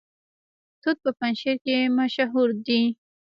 توت په پنجشیر کې مشهور دي